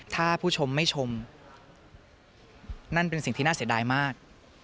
ถ้าผู้ชมไม่ชมนั่นเป็นสิ่งที่น่าเสียดายมาก